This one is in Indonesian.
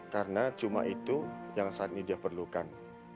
karena cuma itu yang saat ini dia perlukan